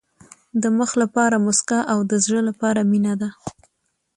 د مخ لپاره موسکا او د زړه لپاره مینه ده.